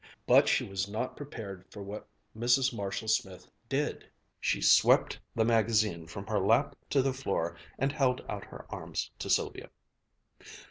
But she was not prepared for what Mrs. Marshall Smith did. She swept the magazine from her lap to the floor and held out her arms to Sylvia.